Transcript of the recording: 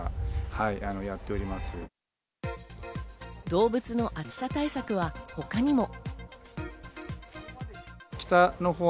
動物の暑さ対策は他にも。